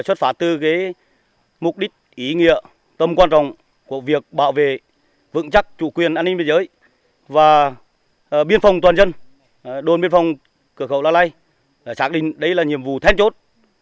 xuất phát từ mục đích ý nghĩa tâm quan trọng của việc bảo vệ vững chắc chủ quyền an ninh biên giới và biên phòng toàn dân đồn biên phòng cửa khẩu la lai xác định đây là nhiệm vụ then chốt